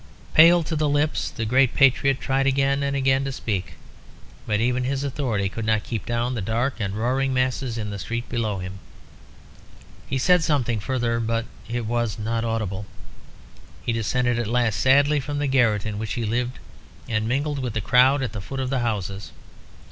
Pale to the lips, the great patriot tried again and again to speak; but even his authority could not keep down the dark and roaring masses in the street below him. He said something further, but it was not audible. He descended at last sadly from the garret in which he lived, and mingled with the crowd at the foot of the houses.